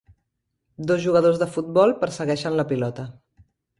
Dos jugadors de futbol persegueixen la pilota.